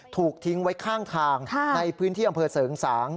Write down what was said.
ถูกทิ้งไว้ข้างทางในพื้นที่อำเภอเสริงสาง